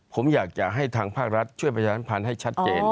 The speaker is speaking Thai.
ผมอยากจะให้ทางภาครัฐช่วยประชาสัมพันธ์ให้ชัดเจน